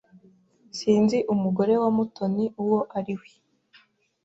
Sinzi umugore wa Mutoni uwo ari we.